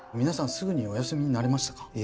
皆さんすぐにお休みになれましたか？